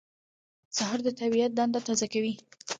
سهار د طبیعت دنده تازه کوي.